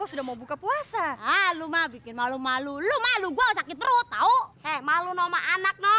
sampai jumpa di video selanjutnya